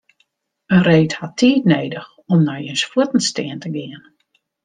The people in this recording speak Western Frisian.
In reed hat tiid nedich om nei jins fuotten stean te gean.